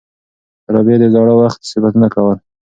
رابعې د زاړه وخت صفتونه کول.